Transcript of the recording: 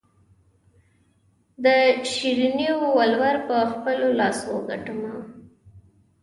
د شیرینو ولور په خپلو لاسو ګټمه.